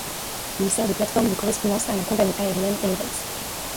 Il sert de plate-forme de correspondance à la compagnie aérienne Emirates.